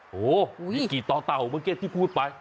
โหมีกี่ต่อเต่าเมื่อกี้ที่พูดไป